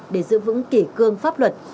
để giữ vững kỷ cương pháp luật